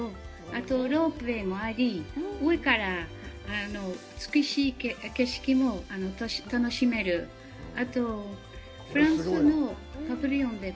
あとロープウエーもあり、上から美しい景色も楽しめて、あと、フランスのパビリオンで